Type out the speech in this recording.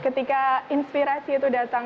ketika inspirasi itu datang